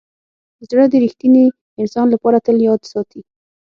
زړه د ریښتیني انسان لپاره تل یاد ساتي.